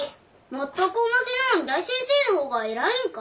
まったく同じなのに大先生の方が偉いんか？